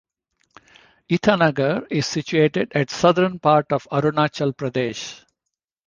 Itanagar is situated at southern part of Arunachal Pradesh.